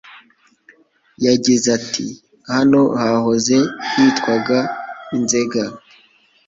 Yagize ati “Hano hahoze hitwaga i Nzega